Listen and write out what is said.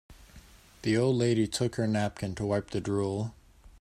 The old lady took her napkin to wipe the drool.